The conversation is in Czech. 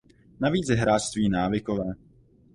Navíc je hráčství návykové.